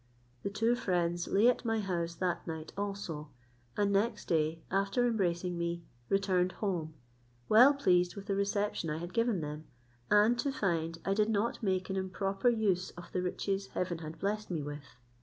The two friends lay at my house that night also; and next day, after embracing me, returned home, well pleased with the reception I had given them, and to find I did not make an improper use of the riches Heaven had blessed me with.